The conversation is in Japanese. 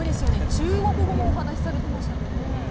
中国語もお話しされていましたが。